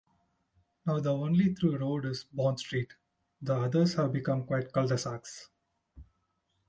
Now the only through road is Bond Street, the others have become quiet cul-de-sacs.